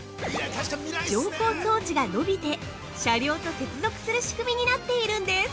◆乗降装置が伸びて車両と接続する仕組みになっているんです。